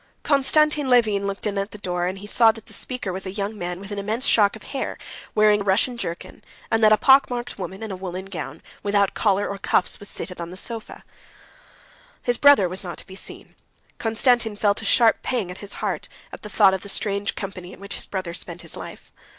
Konstantin Levin looked in at the door, and saw that the speaker was a young man with an immense shock of hair, wearing a Russian jerkin, and that a pockmarked woman in a woolen gown, without collar or cuffs, was sitting on the sofa. His brother was not to be seen. Konstantin felt a sharp pang at his heart at the thought of the strange company in which his brother spent his life.